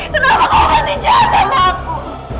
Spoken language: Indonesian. kenapa kamu kasih jahat sama aku